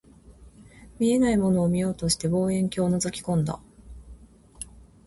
見えないものを見ようとして、望遠鏡を覗き込んだ